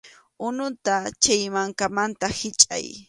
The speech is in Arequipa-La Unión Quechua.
Unuta chay mankamanta hichʼay.